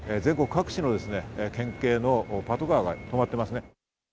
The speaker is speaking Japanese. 全国各地の県警のパトカーが停まっています。